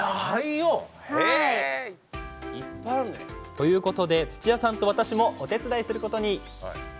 ということで、土屋さんと私もお手伝いすることに。